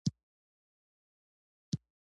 بادرنګ د شکر کچه متوازنه ساتي.